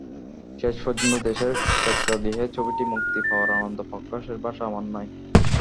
শেষ পর্যন্ত দেশের প্রেক্ষাগৃহে ছবিটি মুক্তি পাওয়ার আনন্দ প্রকাশের ভাষা আমার নাই।